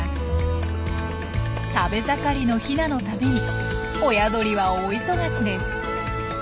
食べ盛りのヒナのために親鳥は大忙しです。